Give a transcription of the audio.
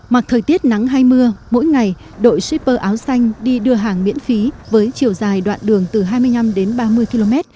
mặc thời tiết nắng hay mưa mỗi ngày đội shipper áo xanh đi đưa hàng miễn phí với chiều dài đoạn đường từ hai mươi năm đến ba mươi km